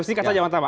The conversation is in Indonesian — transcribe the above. singkat saja pak